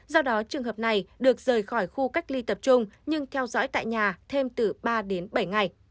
do đó trường hợp này được rời khỏi khu cách ly tập trung nhưng theo dõi tại nhà thêm từ ba đến bảy ngày